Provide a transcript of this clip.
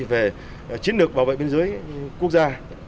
về chiến lược bảo vệ biên giới quốc gia